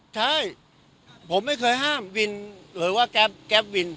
ใช่ผมไม่เคยห้ามวินหรือว่าแก๊ปวิน